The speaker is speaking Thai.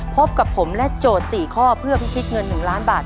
พบกับผมและโจทย์๔ข้อเพื่อพิชิตเงิน๑ล้านบาท